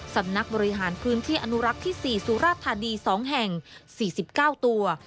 สำนักบริหารพื้นที่อนุรักษ์ที่๔สุราธานี๒แห่ง๔๙ตัว